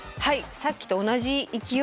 さっきと同じ勢いで。